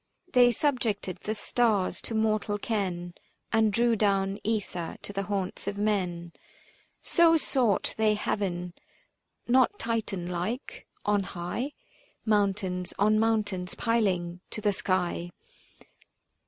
They subjected the stars to mortal ken, And drew down aether to the haunts of men ; 330 So sought they heaven ; not Titan like, on high Mountains on mountains piling to the sky.